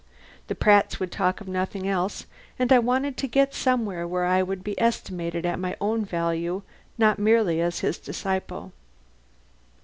The Pratts would talk of nothing else, and I wanted to get somewhere where I would be estimated at my own value, not merely as his disciple.